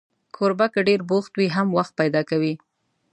کوربه که ډېر بوخت وي، هم وخت پیدا کوي.